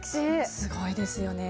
すごいですよね。